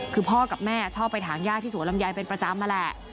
คือพ่อกับแม่ชอบไปถางย่าที่สวนลำไยเป็นประจำนั่นแหละ